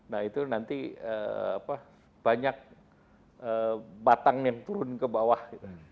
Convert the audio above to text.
nah itu nanti banyak batang yang turun ke bawah